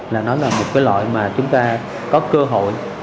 là nó là một cái loại mà chúng ta có cơ hội